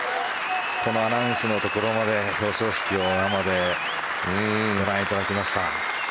このアナウンスのところまで表彰式を生でご覧いただきました。